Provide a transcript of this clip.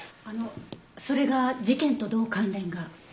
あのそれが事件とどう関連が？